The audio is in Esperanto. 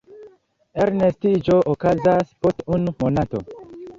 Elnestiĝo okazas post unu monato.